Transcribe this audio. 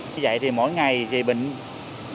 như vậy thì mỗi ngày thì bình có thể trở lại